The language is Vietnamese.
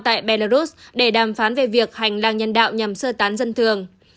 tại belarus để đàm phán về việc hành lang nhân đạo nhằm sơ tán dân thường